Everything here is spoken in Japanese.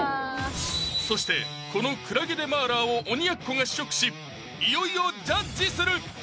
そしてこのクラゲ・デ・麻辣を鬼奴が試食しいよいよジャッジする！